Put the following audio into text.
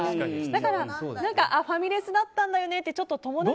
だからファミレスだったんだよねってちょっと友達。